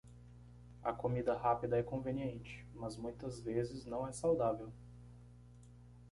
A comida rápida é conveniente, mas muitas vezes não é saudável.